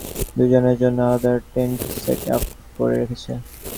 তারা রান্নার পাশাপাশি আমাদের দুজনের জন্য আলাদা টেন্ট সেটআপ করে রেখেছে।